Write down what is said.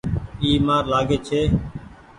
اي مآر لآگي ڇي ۔